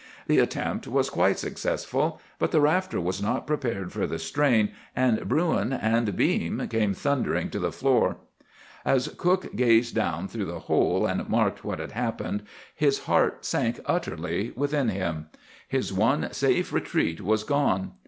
The attempt was quite successful; but the rafter was not prepared for the strain, and Bruin and beam came thundering to the floor. "As cook gazed down through the hole, and marked what had happened, his heart sank utterly within him. His one safe retreat was gone.